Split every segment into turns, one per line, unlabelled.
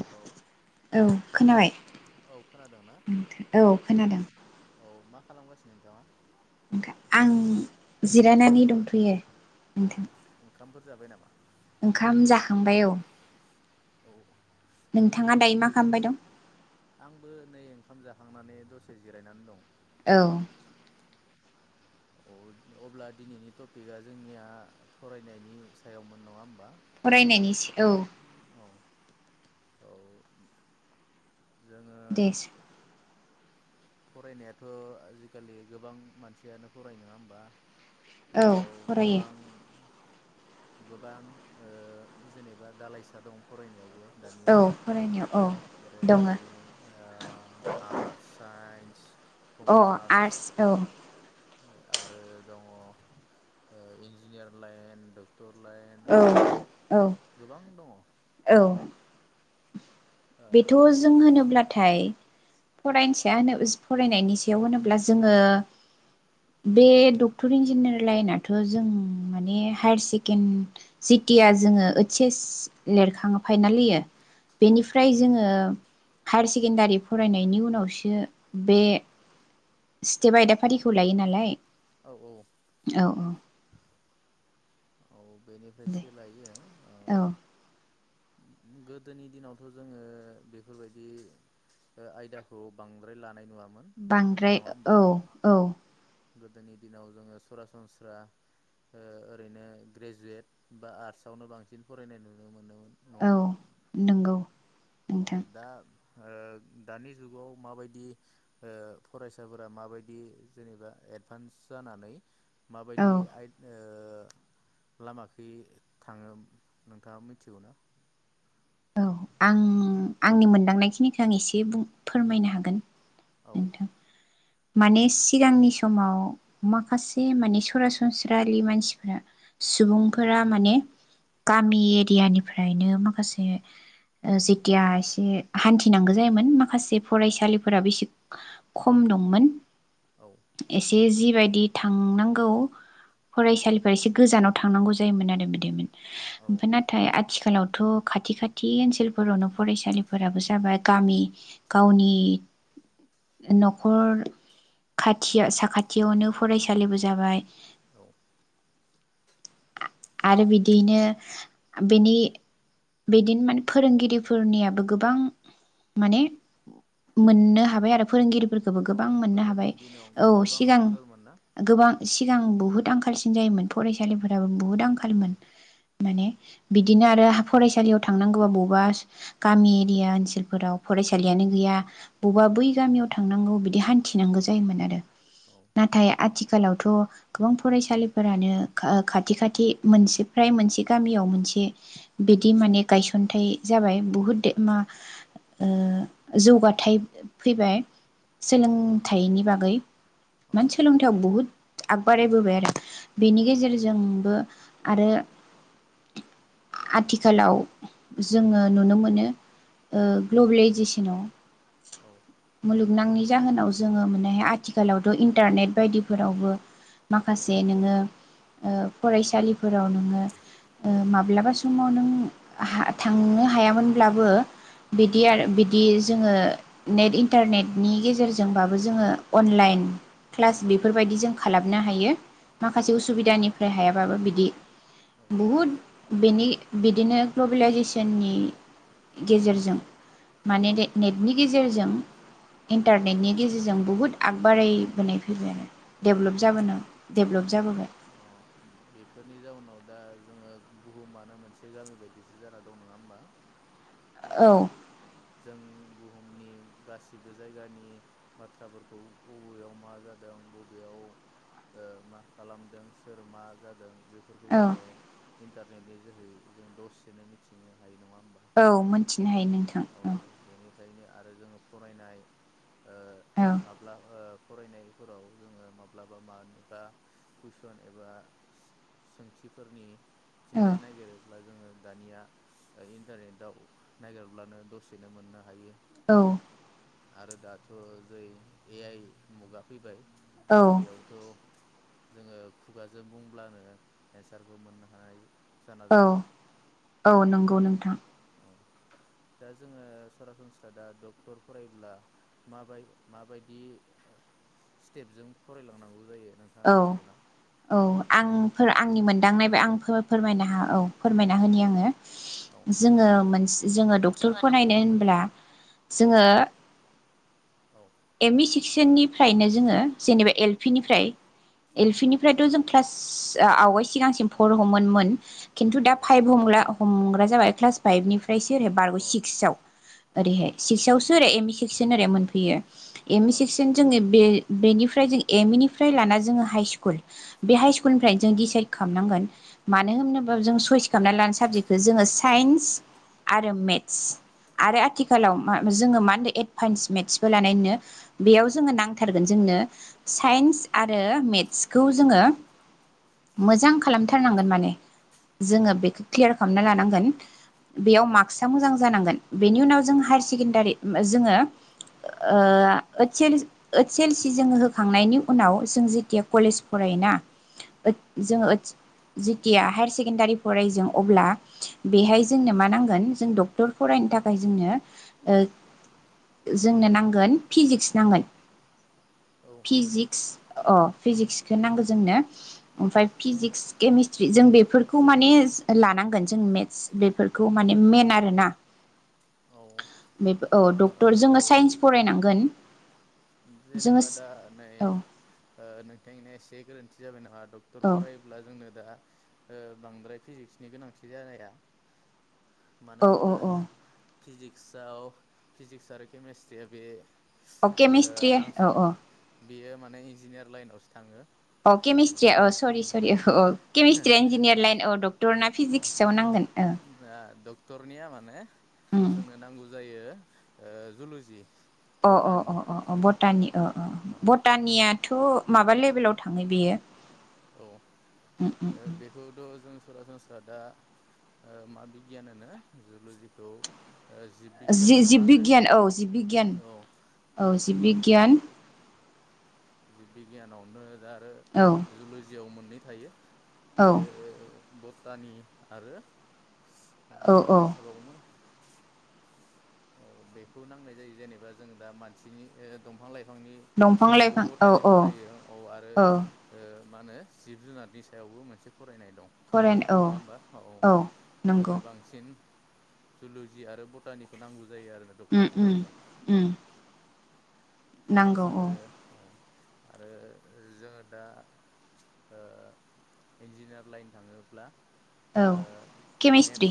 Hello
औ खोनाबाय
औ खोनादोंना
औ खोनादों
औ मा खालामगासिनो नोंथाङा?
आं जिरायनानै दंथ'यो
औ
नोंथां
ओंखामफोर जाबाय नामा?
ओंखाम जाखांबाय औ
औ
नोंथाङा
दिनैनि
दायो मा
टपिकआ
खालामबाय दं
आंबो नै ओंखाम जाखांनानै दसे जिरायनानै दं।
औ
अब्ला दिनैनि टपिकआ जोंनिया फरायनायनि सायावमोन नङा होम
फरायनायनि औ
औ औ जोङो
देस
फरायनायाथ' आजिखालि गोबां मानसियानो फरायो नंङा होमबा?
औ
बेयाव
फरायो
गोबां गोबां ओ जेनेबा दालाइसा दं फरायनायावबो। दानिया
औ फरायनायाव औ
जेरै
दङ
ओ आर्स्ट, साइ न्स
औ आर्स्ट औ।
आरो दङ ओ इन्जिनियार लाइन द टर लाइन आरो
औ औ
गोबां दङ।
औ। बेथ' जों होनोब्लाथाय फरायनसाया होनो फरायनायनि सायाव होनोब्ला जोङो बे डक्टर इन्जिनियार लाइनाथ' जों माने हायार सेकेणड जिटिया जोङो ओइस एस लिरखाङो फाइनाल होयो
औ।
फ्राय जोङो हायार सेकेण्डारि फरायनायनि उनावसो बे स्टेप आयदाफारिखौ लायो नालाय।
औ औ।
औ
औ।
दे
बेनिफ्रायसो लायो ओ
औ
गोदोनि दिनावथ' जोङो बेफोरबायदि आयदाखौ बांद्राय ला
बांद्राय औ औ।
गोदोनि दिनाव जोङो सरासनस्रा ओ ओरैनो ग्रेजुवेट बा आर्टसआवनो बांसिन फरायनाय नुनो मोनोमो
औ नोंगौ।
औ
नोंथां।
दा ओ दानि जुगाव माबायदि ओ फरायसाफोरा माबायदि जेनेबा एडभान्स जानानै
औ
माबायदि आइद ओ ओ लामाखो थाङो नोंथाङा मिथिगौ ना?
औ आं आंनि मोनदांनायखिनिखो आं एसे बुं फोरमायनो हागोन।
औ।
नोंथां माने सिगांनि समाव माखासे माने सरासनस्रालि मानसिफोरा सुबुंफोरा माने गामि एरियानिफ्रायनो माखासे जेथिया एसे हान्थिनांगौ जायोमोन माखासे फरायसालिफोराबो एसे खम दं मोन।
औ
एसे जि बेबायदि थांनांगौ फरायसालिफोरा एसे गोजानाव थांनांगौ जायोमोन आरो बिदिमोन।
औ
ओमफ्राय नाथाय आ थिखालावथ' खाथि खाथि ओनसोलफोरावनो फरायसालिफोराबो जाबाय गामि गावनि न'खर खाथियाव साखाथियावनो फरायसालिबो जाबाय।
औ
आरो बिदियैनो बेनि बिदिनो माने फोरोंगिरिफोरनियाबो गोबां माने मोननो हाबाय आरो फोरोंगिरि फोरखोबो
औ
गोबां मोननो
गोदोनि
हाबाय
दिनाव
औ
गोबां
सिगां
आंखालमोन ना
गोबां सिगां बुहुद आंखालसिन जायोमोन फरायसालि [unintelligible] बुहुद
औ
आंखालमोन माने बिदिनो आरो फरायसालियाव थांनांगौबा बबा गामि एरिया ओनसोलफोराव फरायसालियानो गैया बबा
औ
बै गामियाव थांनांगौ ए हान्थिनांगौ जायोमोन आरो
औ
नाथाय आथिख आथिखालावथ' गोबां फरायसालिफोरानो खा खाथि खाथि मोनसे फ्राय मोनसे गामियाव मोनसे बिदि माने गायसनथायाइ जाबाय बहुद मा ओ जौगाथायाइ फैबाय
औ
सोलोंथाइनि बागै
औ
माने सोलोंथायाव बहुद आगबारायबोबाय आरो बेनि गेजेरजों जोंबो आरो आथिखालाव जोङो नुनो मोनो ग्लबेलाइजेसनाव
औ
मुलुग नांङि जाहोनाव जोङो मोने आथिखालावथ' इन्टारनेट बायदिफोरावबो
औ
माखासे नोङो औ फरायसालिफोराव नोङो माब्लाबा समाव नों थांनो हायामोनब्लाबो बिदि आरो बिदि जोङो नेट इन्टारनेटनि गेजेरजोंबाबो जोङो अनलाइन क्लास
औ
बेफोरबायदि जों खालामो। ना हायो।
औ
माखासे उसुबिदानि बाबो बिदि बहुत बेनि बिदिनो ग्लबेलाइजेसननि गेजेरजों
औ
माने
औ
नेटनि गेजेरजों इन्टारनेटनि गेजेरजों बहुद आगबारायबोनाय फैबाय आरो
औ
डेभलप जाबोनो डेभलप जाबोबाय।
अ बेफोरनि जाउनाव दा जोङो बुहुमानो मोनसे गामि बायदिसो जाना दं नङा होमबा?
औ
जों बुहुमनि गासिबो जायगानि बाथ्राफोरखौ बबेयाव मा जादों बबेयाव मा खालामदों सोर मा जादों बेफोरखौ
औ
जोङो इन्टारनेटनि जोहै जों दसेनो मिथिनो हायो नङा? होमबा
औ मोनथिनो हायो नोंथां
औ बेनिखायनो आरो जोङो फरायनाय ओ
औ
माब्ला ओ फरायनायफोराव जोङो माब्लाबा माबा कुइसन एबा सोंथिफोरनि फिननाय
औ
नागिरोब्ला जोङो दानिया इन्टारनेटाव नागिरब्लानो दसेनो मोननो हायो
औ
आरो दाथ' जै ए आइ मुगा फैबाय
औ
बेयावथ' जोङो खुगाजों बुंब्लानो केन्सारखौ मोननो हानाय जाना
औ
दं दा
औ नंगौ नों थां
औ दा जोङो सरासनस्रा दा डक्टर फरायोब्ला माबाय माबायदि स्टेपजों फरायलांनांगौ जायो नोंथाङा
औ
मिथिगौना
औ आं आंनि मोनदांनायबो आं आं फोरमायना औ फोरमायना होनि आङो
औ
जोङो मोनसे जोङो डक्टर फरायनो होनब्ला जोङो
औ
एम इ सिक्सननिफ्रायनो जोङो जेनेबा एल पि निफ्राय
औ
एलफि निफ्रायथ' जों क्लास आवाय सिगांसिम फर हमोनमोन खन्थु
औ
दा फाइभ हमला हमग्रा जाबाय क्लास फाइभनि ओमफ्रायसो ओरै बारग'
औ
सिक्सआव
औ
ओरैहाय सिक्स आआवसो ओरै एम इ सेक्सन ओरै मोनफैयो एम इ
औ
सिक्सन जोङो बे बेनिफ्राय जों एमइ निफ्राय लाना जोङो हाइ स्कुल बे हाइस स्कुलनिफ्राय जों डिसाइद खालामनांगोन मानो होनोबा जों सयस खालामना लानाय साबजेक्टखौ जोङो साइन्स आरो मेट्स आरो आथिखालाव जोङो मा होनदों एदभान्स मेथ्सबो लानाय नु बेयाव जोो नांथारगोन जोंनो साइन्स आरो मेथसखौ जोङो मोजां खालामथारनांगोन माने जोङो बेखौ क्लियार खालामना लानांगोन बेयाव
औ
मार्कसआ मोजां जानांगोन। बेनि उनाव जों हायार सेकेण्डारि जोङो ओ ओतस एल ओतस एल सि जोङो होखांनायनि उनाव जों जिथिया कलेज फरायोना ओथ जोंङो ओतस जिथिया हायार सेकेनन्दारि फराय जों अब्ला बेहाय जोंनो
औ
मा नांगोन जों डक क्टर फरायनो थाखाय जोंनो ओ जोंनो नां नांगोन फिजिक्स नांगोन फिजिक्स अ फिजिक्स जनाांग [unintelligible] जोंनो ओमफ्राय
जोंनो
फिजिक्स केमिस्त्रि जों बेफोर खौ माने लानांगोन जों मेथ्स बेफोरखौ माने मेन आरोना।
औ ओ
बेफो औ डक्टर जोङो साइन्स फरायनांगोन। जोङो
जेनेबा दा नै
औ
ओ नोंथांनिया एसे गोरोन्थि [unintelligible] डक्टर
औ
फरायोब्ला जोंनो दा ओ बांद्राय फिजिक्सनि गोनांथि जानाया। मानो
औ औ
होनब्ला
औ
फिजिक्सआव फिजिक्स आरो केमेस्ट्रिया बे
अके मिस्त्रि। औ औ।
बियो माने इन्जिनियार लाइनावसो थाङो।
औ केमेस्ट्रिया
जोंनो
औ सरि सरि औ औ केमिस्ट्रिया इन्जिनियार लाइन औ डक्टरना? फिजिक्सआव नांगोन औ।
डक्टरनिया माने जोंनो नांगौ जायो ओ जुलजि।
अ अ
बटानि
अ अ अ बत तानि। अ अ अ अ
औ
बतानिया थ' माबा लेभेलाव थाङो बेयो।
औ बेखौथ' जों सरासनस्रा दा मा बिगियान होनो जुल'जिखौ ओ जिब बिगियान ना मा
जि-जिब
होनो
बिगियान औ जिब बिगियान
औ
औ जिब बिगियान
जि बिगियानावनो दा आरो
औ
जुलजियाव मोननै थायो।
औ
बे बतानि आरो
औ औ
मोनसे थाबावोमोन औ बेखौ नांनाय जायो जेनेबा जों दा मानसिनि दंफां लाइफां बिफांनि
दंफां
सायावबो
लाइफां औ
बतानि
औ
फरायो औ आरो ओ मा होनो जिब जुनारनि सायावबो मोनसे फरायनाय दं
फरायनो औ
नङा होमबा औ जोंनो
नंगौ
बांसिन जुलुजि आरो बटानि। [unintelligible] जायो आरो ना डक्टर
उम उम
फराययोबा
उम नांगौ औ।
औ आरो जोङो दा ओ इन्जिनियार लाइन थाङोब्ला
औ
ओ मेथ्स
केमेस्ट्रि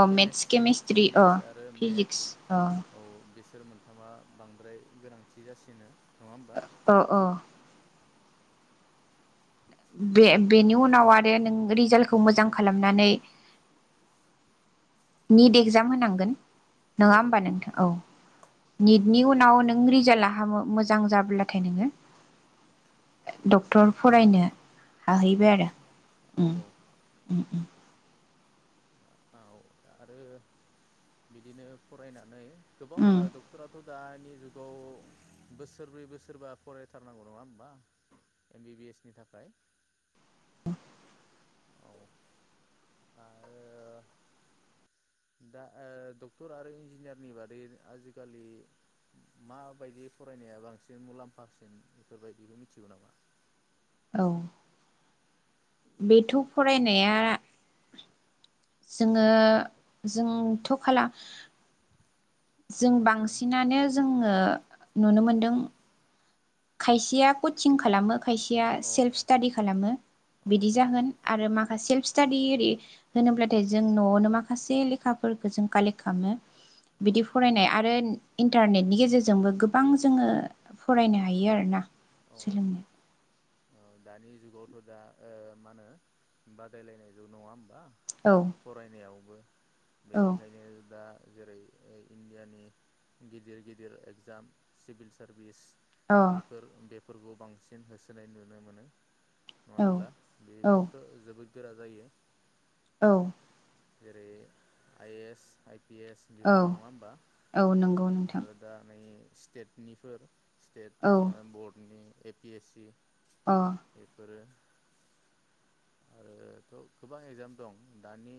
औ मेथ्स केमेस्ट्रि अ फिजिक्स अ
सोर मोनथामा बांद्राय गोनां थि जासिनो। नङा होमबा
अ'अ' बे बेनि उनाव आरो नों रिजाल्टखौ मोजां खालामनानै निट एक्जाम होनांगोन
औ
नङा होमबा नोंथां? औ
औ
निटनि
नंगौ
उनाव नों रिजाल्टा हामो मोजां जाब्लाथाय नोङो डक्टर फरायनो हाहैबाय आरो
हारसिं औ
उम
औ
उम उम।
औ आरो बिदिनो फरायनानै गोबाव
उम
ओ डक्टरआ थ' दानि जुगाव बोसोरब्रै बोसोरबा फरायथारनांगौ नङा होमबा एम बि बि एस नि थाखाय। औ आरो दा डक्टर आरो इन्जिनियारनि बादै आजिखालि माबायदि फरायनाया बांसिन मुलाम्फासिन बेफोरबायदिखौ मिथिगौ नामा?
औ बेथ' फरायनाया जोङो जोंथ' खाला जों बांसिनानो जोङो नुनो मोनदों खायसेया कचिं खालामो खायसेया
ओ औ
सेल्फ स्टाादि खालामो
औ
बिदि जागोन आरो माखासे स्टाडि ओरै होनोब्लाथाय जों न'आवनो माखासे लेखाफोरखौ जों कालेक्ट खालामो।
औ
बिदि फरायनाय आरो इन्टारनेटनि गेजेरजोंबो गोबां जोङो फरायनो हायो आरो ना।
औ
सोलोंनो
औ दानि जुगावथ' दा ओ मा होनो बादायलायनाय जुग नङा होमबा?
औ
फरायनायावबो
औ
बेनिखायनो दा जेरै इण्डियानि गिदिर गिदिर एगजाम सिभिल सारभिस
अ औ
बेफोर बे फोरबो बांसिन होसोनाय नुनो मोनो। नङा होमब्ला?
औ
बेफोरथ' जोबोद गोरा जायो
औ
जेरै I S I P S
औ
बेफोर नङा होमबा
औ नंगौ नोंथां
आरो दा नै स्टेटनिफोर स्टेट
औ
ओ बरर्ड ए पि एस सि
अ
बेफोरो आरोथ' गोबां एगजाम दं दानि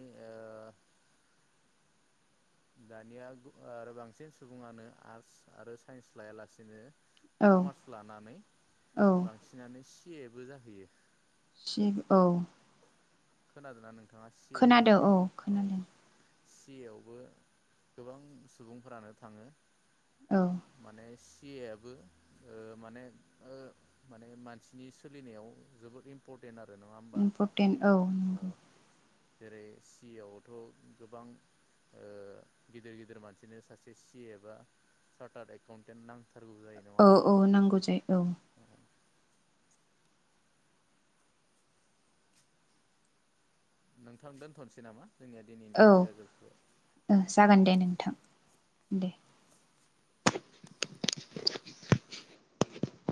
दानिया आरो बांसिन सुबुङानो आर्टस आरो साइन्स लायालासिनो
औ
कमार्स लानानै
औ
बांसिनानो सि ए बो जाहैयो।
[unintelligible]
खोनादों ना नों
खोनादों औ खोनादों।
[inaudible] माने
औ
[unintelligible]
इम्परटेन्ट औ [inaudible]
[inaudible] थारगौ जायो
औ
नङा
औ नांगौ जायो औ
होमबा नोंथां दोनथ'नोसै नामा? जोंनिया दिनैनि
औ
टपिकआ जोबथ'बाय
जागोन दे नोंथां। दे